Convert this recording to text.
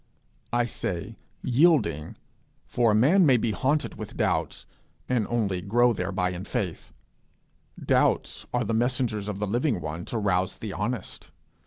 I say yielding; for a man may be haunted with doubts, and only grow thereby in faith. Doubts are the messengers of the Living One to rouse the honest.